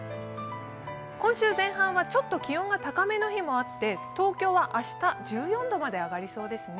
今週前半はちょっと気温が高めの日もあって、東京は明日、１４度まで上がりそうですね。